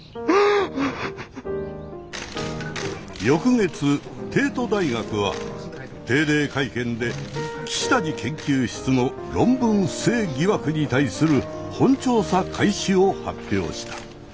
翌月帝都大学は定例会見で岸谷研究室の論文不正疑惑に対する本調査開始を発表した。